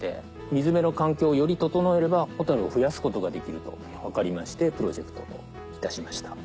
水辺の環境をより整えればホタルを増やすことができると分かりましてプロジェクトと致しました。